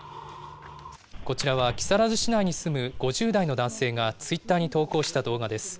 こちらは木更津市内に住む５０代の男性がツイッターに投稿した動画です。